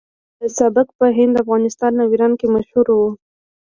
دا سبک په هند افغانستان او ایران کې مشهور و